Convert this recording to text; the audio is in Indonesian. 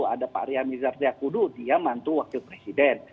ada pak rian mizar tiakudu dia mantu wakil presiden